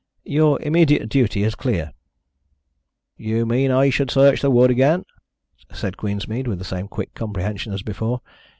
"Your immediate duty is clear." "You mean I should search the wood again?" said Queensmead, with the same quick comprehension as before.